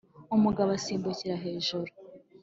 umugabo asimbukira hejuru,